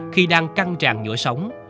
khi đang căng tràn giữa sống